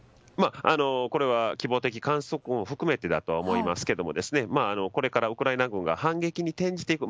これは希望的観測も含めてだと思いますがこれからウクライナ軍が反撃に転じていく。